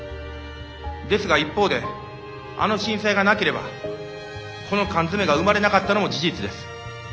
ですが一方であの震災がなければこの缶詰が生まれなかったのも事実です。